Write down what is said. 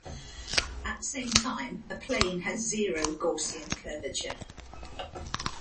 At the same time, a plane has zero Gaussian curvature.